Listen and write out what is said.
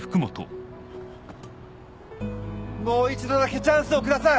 もう一度だけチャンスをください！